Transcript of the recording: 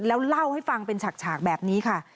แล้วเล่าให้ฟังเป็นฉากแบบนี้ค่ะ